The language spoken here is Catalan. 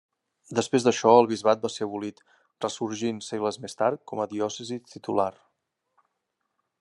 Després d'això el bisbat va ser abolit, ressorgint segles més tard com a Diòcesi titular.